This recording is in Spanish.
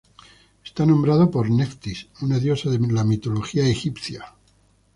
Está nombrado por Neftis, una diosa de la mitología egipcia.